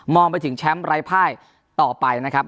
องไปถึงแชมป์ไร้ภายต่อไปนะครับ